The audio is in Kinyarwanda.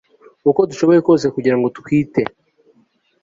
uko dushoboye kose kugira ngo twite